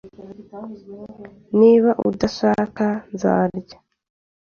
Niba udashaka, nzarya.